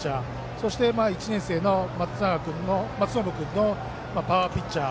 そして、１年生の松延君のパワーピッチャー